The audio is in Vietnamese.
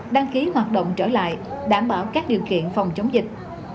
đăng ký hoạt động trở lại đảm bảo các điều kiện phòng chống dịch